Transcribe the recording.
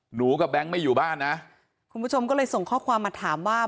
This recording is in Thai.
หนูกับแบงค์ไม่อยู่บ้านนะคุณผู้ชมก็เลยส่งข้อความมาถามว่า